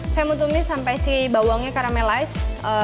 saya mau tumis sampai si bawangnya karamelize